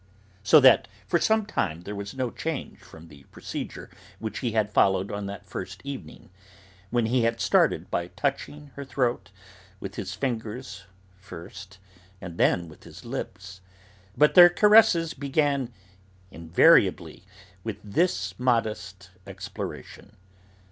So that for some time there was no change from the procedure which he had followed on that first evening, when he had started by touching her throat, with his fingers first and then with his lips, but their caresses began invariably with this modest exploration.